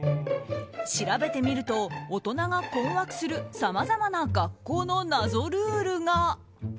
調べてみると、大人が困惑するさまざまな、学校の謎ルールが。